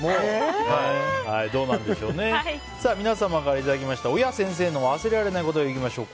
皆様からいただきました親・先生の忘れられない言葉いきましょう。